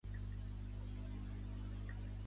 Tenir molta merda a la taula del menjador